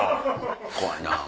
怖いなぁ。